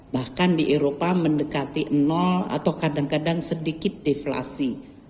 bahkan di eropa mendekati atau kadang kadang sedikit deflasi